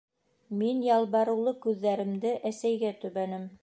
Мин ялбарыулы күҙҙәремде әсәйгә төбәнем.